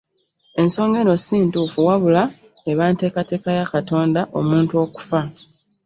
Ensonga eno si ntuufu wabula eba nteekateeka ya Katonda omuntu okufa.